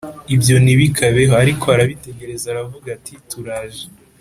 ibyo ntibikabeho Ariko arabitegereza aravuga ati turaje